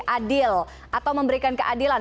adil atau memberikan keadilan